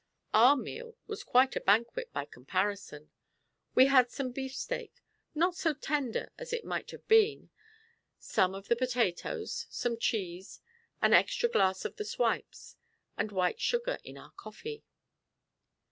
Our meal was quite a banquet by comparison. We had some beefsteak, not so tender as it might have been, some of the potatoes, some cheese, an extra glass of the swipes, and white sugar in our coffee.